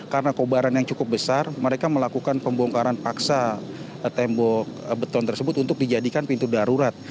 karena keubaran yang cukup besar mereka melakukan pembongkaran paksa tembok beton tersebut untuk dijadikan pintu darurat